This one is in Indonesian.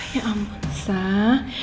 ya ampun sah